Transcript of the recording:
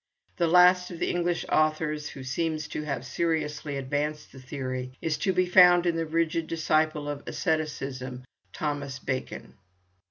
The last of the English authors who seems to have seriously advanced the theory is to be found in the rigid disciple of asceticism, Thomas Becon.